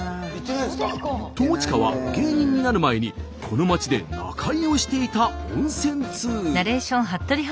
友近は芸人になる前にこの町で仲居をしていた温泉ツウ。